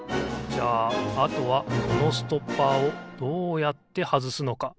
じゃああとはこのストッパーをどうやってはずすのか？